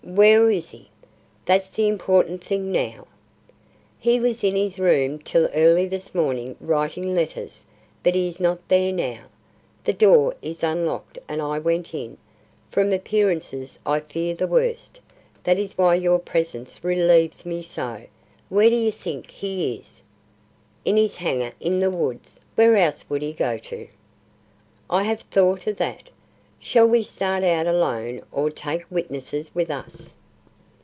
Where is he? That's the important thing now." "He was in his room till early this morning writing letters, but he is not there now. The door is unlocked and I went in. From appearances I fear the worst. That is why your presence relieves me so. Where do you think he is?" "In his hangar in the woods. Where else would he go to " "I have thought of that. Shall we start out alone or take witnesses with us?"